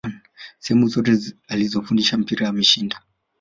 sehemu zote alizofundisha mpira ameshinda